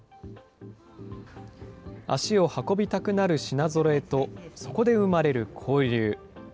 足を運びたくなる品ぞろえとそこで生まれる交流。